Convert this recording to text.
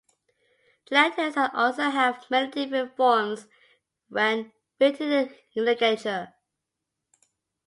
The letters and also have many different forms when written in ligature.